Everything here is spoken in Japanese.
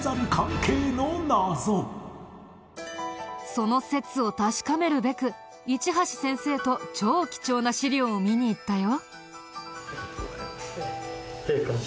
その節を確かめるべく市橋先生と超貴重な資料を見に行ったよ。